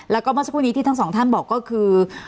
แล้วก็เมื่อช่วงนี้ที่ทั้ง๒ท่านบอกก็คือ